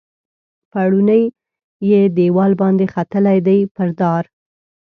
پوړونی یې دیوال باندې ختلي دي پر دار